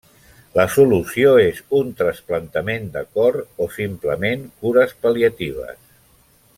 La solució és un trasplantament de cor o simplement cures pal·liatives.